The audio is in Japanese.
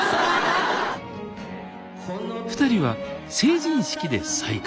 ２人は成人式で再会。